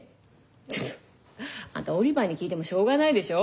ちょっとあんたオリバーに聞いてもしょうがないでしょ。